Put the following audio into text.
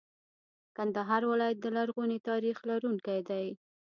کندهار ولایت د لرغوني تاریخ لرونکی دی.